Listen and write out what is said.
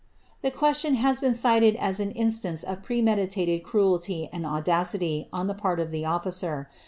' The question has been cited as an instanc of premeditated cruelty and audacity, on the part of the officer.